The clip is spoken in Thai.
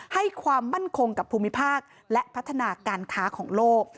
ให้ความมั่นคงกับภูมิภาคและพัฒนาการค้าของโลก